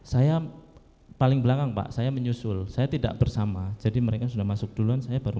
saya paling belakang pak saya menyusul saya tidak bersama jadi mereka sudah masuk duluan saya baru